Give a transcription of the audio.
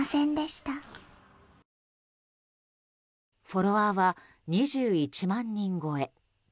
フォロワーは２１万人超え。